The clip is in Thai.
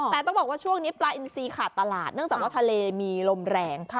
แต่ต้องบอกว่าช่วงนี้ปลาอินซีขาดตลาดเนื่องจากว่าทะเลมีลมแรง